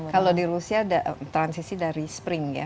kalau di rusia ada transisi dari spring ya